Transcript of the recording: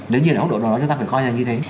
nếu như nó không đủ đủ chúng ta phải coi như thế